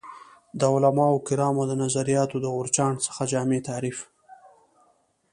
د علمای کرامو د نظریاتو د غورچاڼ څخه جامع تعریف